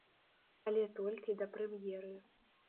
Але толькі да прэм'еры.